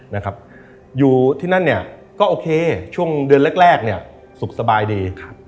นะครับอยู่ที่นั่นเนี่ยก็โอเคช่วงเดือนแรกแรกเนี่ยสุขสบายดีครับ